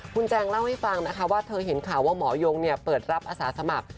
คุณแจงเล่าให้ฟังนะคะว่าเธอเห็นข่าวว่าหมอยงเปิดรับอาสาสมัคร